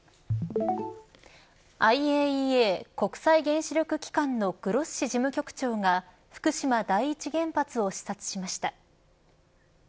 ＩＡＥＡ国際原子力機関のグロッシ事務局長が福島第一原発を視察しました。